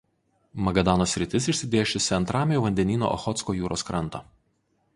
Magadano sritis išsidėsčiusi ant Ramiojo vandenyno Ochotsko jūros kranto.